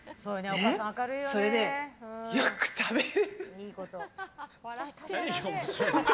それで、よく食べる。